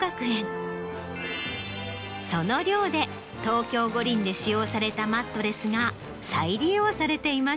その寮で東京五輪で使用されたマットレスが再利用されています。